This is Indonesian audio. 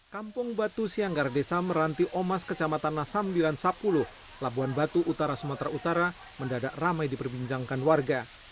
kampung batu sianggar desa meranti omas kecamatan nasam sembilan ratus sepuluh labuhan batu utara sumatera utara mendadak ramai diperbincangkan warga